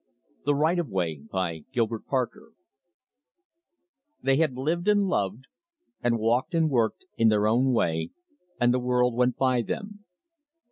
F. THE RIGHT OF WAY By Gilbert Parker "They had lived and loved, and walked and worked in their own way, and the world went by them.